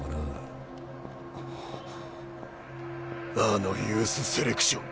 あのユースセレクション。